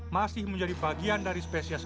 masih menjadi bagian dari spesies